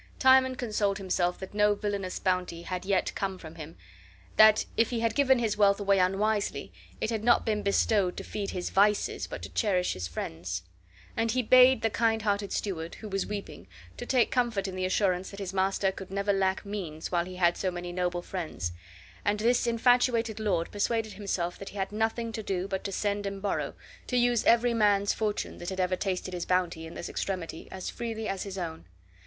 Timon consoled himself that no villainous bounty had yet come from him, that if he had given his wealth away unwisely, it had not been bestowed to feed his vices, but to cherish his friends; and he bade the kind hearted steward (who was weeping) to take comfort in the assurance that his master could never lack means while he had so many noble friends; and this infatuated lord persuaded himself that he had nothing to do but to send and borrow, to use every man's fortune (that had ever tasted his bounty) in this extremity, as freely as his own.